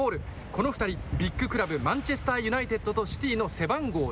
この２人、ビッググラブ、マンチェスター・ユナイテッドとシティの背番号１０。